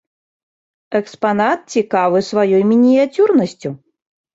Экспанат цікавы сваёй мініяцюрнасцю.